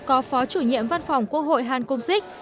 có phó chủ nhiệm văn phòng quốc hội hàn công xích